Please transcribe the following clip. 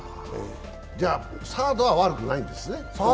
じゃあ、サードは悪くないんですね？